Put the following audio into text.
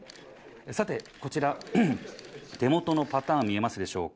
さて、こちら、手元のパターン見えますでしょうか。